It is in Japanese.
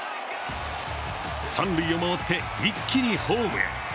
三塁を回って一気にホームへ。